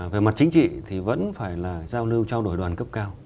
về mặt chính trị thì vẫn phải là giao lưu trao đổi đoàn cấp cao